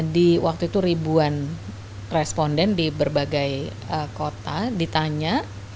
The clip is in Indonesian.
di waktu itu ribuan responden di berbagai kota ditanya